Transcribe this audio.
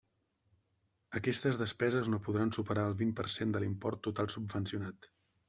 Aquestes despeses no podran superar el vint per cent de l'import total subvencionat.